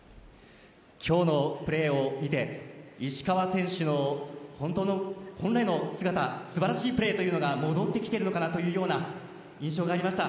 今日のプレーを見て石川選手の本来の姿素晴らしいプレーが戻ってきているような印象がありました。